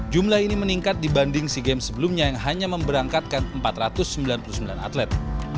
jumlah ini meningkat dibanding sea games sebelumnya yang hanya memberangkatkan empat ratus sembilan puluh sembilan atlet